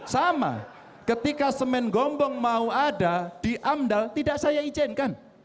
sama ketika semen gombong mau ada di amdal tidak saya izinkan